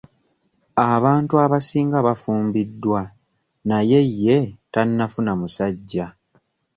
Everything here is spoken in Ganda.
Abantu abasinga bafumbiddwa naye ye tannafuna musajja.